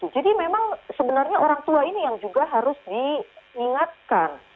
jadi memang orang tua ini yang harus diingatkan